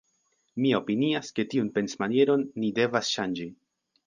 Mi opinias, ke tiun pensmanieron ni devas ŝanĝi.